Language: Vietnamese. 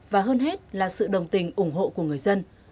và hơn hết là sự đồng tình ủng hộ của người dân